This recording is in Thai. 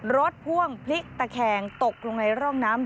พ่วงพลิกตะแคงตกลงในร่องน้ำ